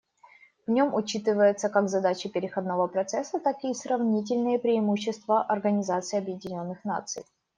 В нем учитываются как задачи переходного процесса, так и сравнительные преимущества Организации Объединенных Наций.